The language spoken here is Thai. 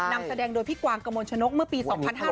นำแสดงโดยพี่กวางกระมวลชนกเมื่อปี๒๕๕๙